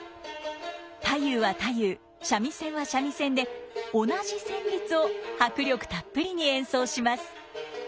太夫は太夫三味線は三味線で同じ旋律を迫力たっぷりに演奏します。